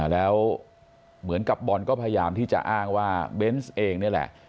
แล้วเหมือนกับบอลก็พยายามที่จะอ้างว่าเบนส์เองนี่แหละ